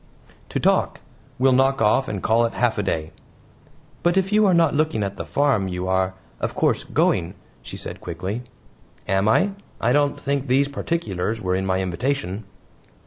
"To talk. We'll knock off and call it half a day." "But if you are not looking at the farm you are, of course, going," she said quickly. "Am I? I don't think these particulars were in my invitation."